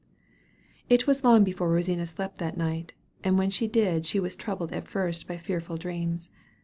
It was long before Rosina slept that night; and when she did, she was troubled at first by fearful dreams.